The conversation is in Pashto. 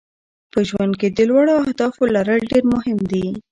په ژوند کې د لوړو اهدافو لرل ډېر مهم دي.